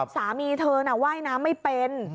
สามีเธอน่ะว่ายน้ำไม่เป็น